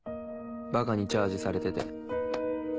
バカにチャージされてて。